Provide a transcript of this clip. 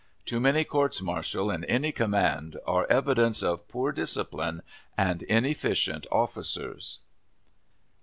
Too many courts martial in any command are evidence of poor discipline and inefficient officers.